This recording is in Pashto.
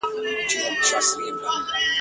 نور یې کښېښودل په منځ کي کبابونه!.